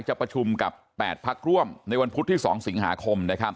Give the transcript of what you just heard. จะประชุมกับ๘พักร่วมในวันพุธที่๒สิงหาคม